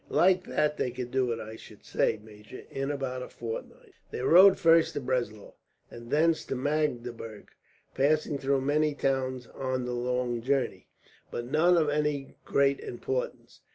"Like that they could do it, I should say, major, in about a fortnight." They rode first to Breslau, and thence to Magdeburg, passing through many towns on the long journey, but none of any great importance.